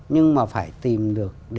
nhưng mà phải tìm được